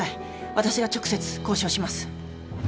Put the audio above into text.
私が直接交渉します。